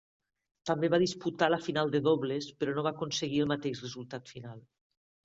També va disputar la final de dobles però no va aconseguir el mateix resultat final.